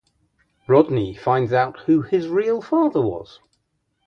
Rodney finds out who his real father was.